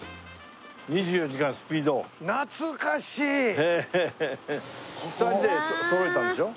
「２４時間スピード」２人でそろえたんでしょ？